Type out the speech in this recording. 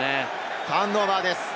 ターンオーバーです。